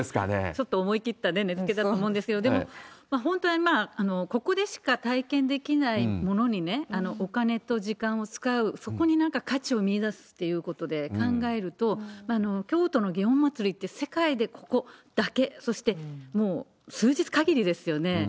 ちょっと思い切った値づけだと思うんですけど、でも、本当にここでしか体験できないものにお金と時間を使う、そこになんか価値を見いだすということで考えると、京都の祇園祭って、世界でここだけ、そして、もう数日限りですよね。